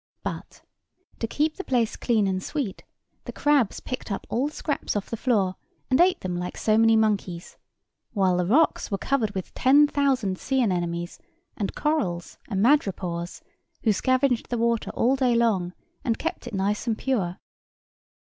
But, to keep the place clean and sweet, the crabs picked up all the scraps off the floor and ate them like so many monkeys; while the rocks were covered with ten thousand sea anemones, and corals and madrepores, who scavenged the water all day long, and kept it nice and pure.